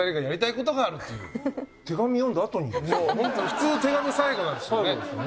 普通手紙最後なんですけどね。